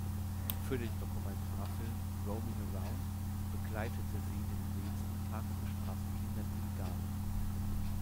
Für den Dokumentarfilm "Roaming Around" begleitete sie den Lebensalltag von Straßenkindern in Ghana.